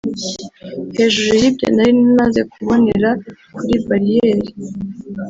Hejuru y’ibyo nari maze kubonera kuri bariyeri